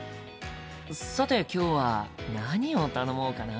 さて今日は何を頼もうかな？